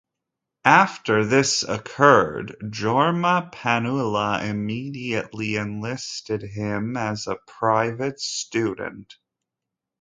After this occurred, Jorma Panula immediately enlisted him as a private student.